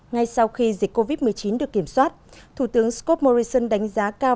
ngay sau khi dịch covid một mươi chín được kiểm soát thủ tướng scott morrison đánh giá cao